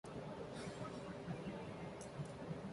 office न जाने के बिंदास बहाने, लेकिन अाजमाएं अपने रिस्क पर